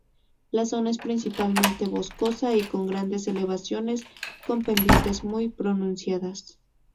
La zona es principalmente boscosa, y con grandes elevaciones con pendientes muy pronunciadas.